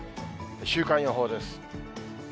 週間予報です。